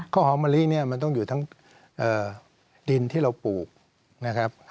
ข้าวหอมมะลิเนี่ยมันต้องอยู่ทั้งดินที่เราปลูกนะครับ